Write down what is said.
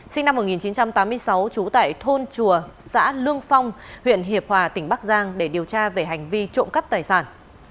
sinh năm một nghìn chín trăm tám mươi sáu trú tại thôn chùa xã lương phong huyện hiệp hòa tỉnh bắc giang để điều tra về hành vi trộm cắp tài sản